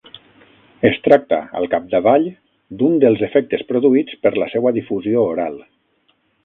Es tracta, al capdavall, d’un dels efectes produïts per la seua difusió oral.